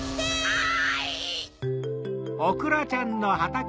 はい！